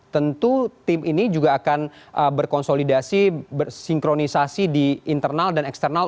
tentu tim ini juga akan berkonsolidasi bersinkronisasi di internal dan eksternal